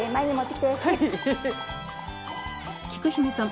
きく姫さん